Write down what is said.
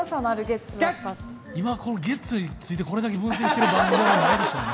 今このゲッツについてこれだけ分析してる番組はないでしょうね。